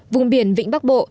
vùng biển vĩnh bắc bộ